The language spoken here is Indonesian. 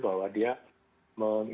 bahwa dia menginfeksi lebih tinggi